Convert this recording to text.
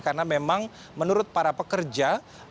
karena memang menurut para pekerja